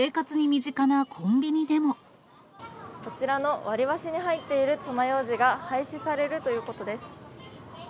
こちらの割り箸に入っているつまようじが廃止されるということです。